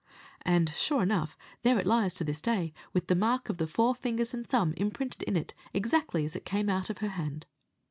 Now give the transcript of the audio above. And, sure enough, there it lies to this day, with the mark of the four fingers and thumb imprinted in it, exactly as it came out of her hand.